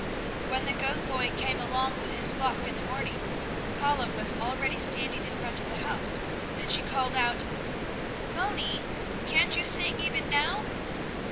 When the goat boy came along with his flock in the morning, Paula was already standing in front of the house, and she called out: "Moni, can't you sing even now?"